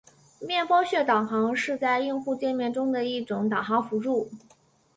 面包屑导航是在用户界面中的一种导航辅助。